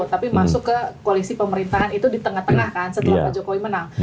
tapi masuk ke koalisi pemerintahan itu di tengah tengah kan setelah pak jokowi menang